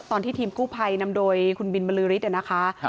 ตอนที่ทีมกู้ภัยนำโดยคุณบินบรือฤทธิ์นะคะ